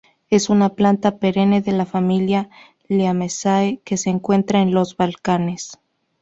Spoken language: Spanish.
Es una planta perenne de la familia "Lamiaceae" que se encuentra en los balcanes.